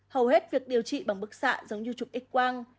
hầu hết việc điều trị bằng bức xạ giống như trục ích quang